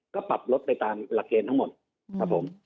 ก็ปรับลดไปตามหลักเกณฑ์ทั้งหมดครับผม